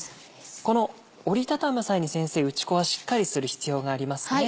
この折り畳む際に先生打ち粉はしっかりする必要がありますね。